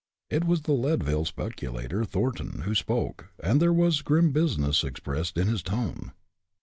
It was the Leadville speculator, Thornton, who spoke, and there was grim business expressed in his tone.